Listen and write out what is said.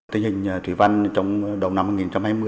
tình hình thủy văn trong đầu năm hai nghìn hai mươi